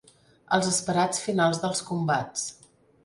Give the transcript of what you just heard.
Els esperats finals dels combats.